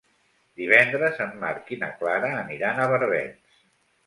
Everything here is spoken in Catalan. Divendres en Marc i na Clara aniran a Barbens.